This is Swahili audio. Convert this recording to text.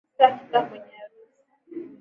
Sitafika kwenye harusi.